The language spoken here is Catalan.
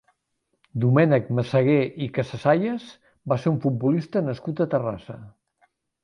Domènec Massagué i Casasayas va ser un futbolista nascut a Terrassa.